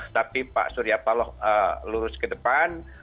tapi pak surya paloh lurus ke depan